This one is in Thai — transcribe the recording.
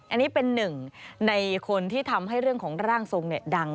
อันนี้เป็นหนึ่งในคนที่ทำให้เรื่องของร่างทรงดัง